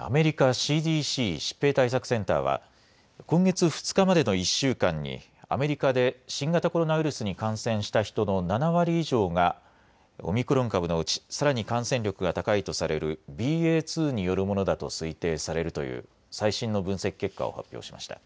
アメリカＣＤＣ・疾病対策センターは今月２日までの１週間にアメリカで新型コロナウイルスに感染した人の７割以上がオミクロン株のうち、さらに感染力が高いとされるＢＡ．２によるものだと推定されるという最新の分析結果を発表しました。